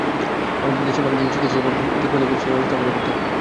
আমাদের দেশের মানুষ যেন চিকিৎসাসেবাটা ঠিকমতো পান, সেই ব্যবস্থাও আমাদের করতে হবে।